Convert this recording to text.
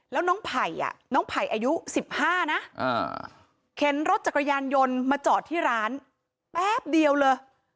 แล้วน้องไผ่น้องไผ่อายุ๑๕นะเข็นรถจักรยานยนต์มาจอดที่ร้านแป๊บเดียวเลย